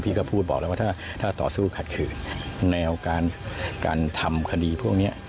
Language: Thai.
ก็พูดบอกแล้วว่าถ้าต่อสู้ขัดขืนแนวการทำคดีพวกนี้